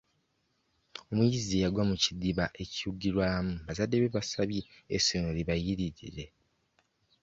Omuyizi eyagwa mu kidiba ekiwugirwamu bazadde be basabye essomero libaliyirire.